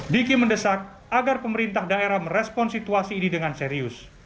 diki mendesak agar pemerintah daerah merespon situasi ini dengan serius